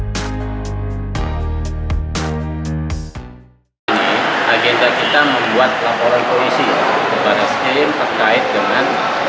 kepada skrim terkait dengan